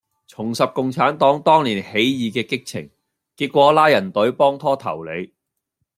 重拾共產黨當年起義既激情，結果拉人隊幫拖投你